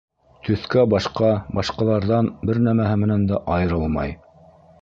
Төҫкә-башҡа башҡаларҙан бер нәмәһе менән дә айырылмай.